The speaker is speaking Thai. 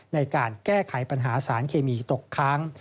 ในการแก้ไขปัญหาสารเคมีตกค้าง